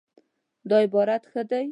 دا عبارت ښه دی